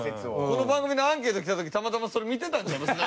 この番組のアンケート来た時たまたまそれ見てたんちゃいます？